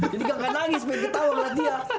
jadi nggak kan nangis pengen ketawa ngeliat dia